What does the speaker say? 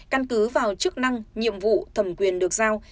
căn cứ vào chức năng nhiệm vụ thẩm quyền được giao